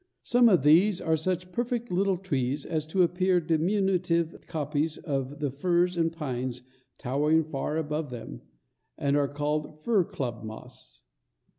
Some of these are such perfect little trees as to appear diminutive copies of the firs and pines towering far above them, and are called "fir club moss."